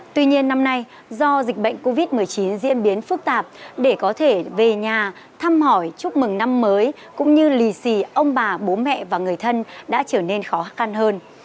tuy nhiên năm nay do dịch bệnh covid một mươi chín diễn biến phức tạp để có thể về nhà thăm hỏi chúc mừng năm mới cũng như lì xì ông bà bố mẹ và người thân đã trở nên khó khăn hơn